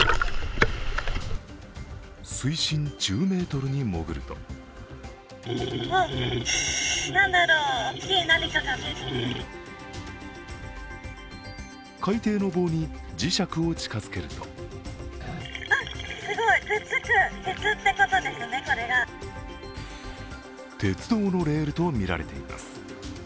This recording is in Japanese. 水深１０ｍに潜ると海底の棒に磁石を近づけると鉄道のレールとみられています。